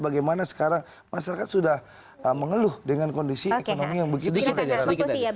bagaimana sekarang masyarakat sudah mengeluh dengan kondisi ekonomi yang begitu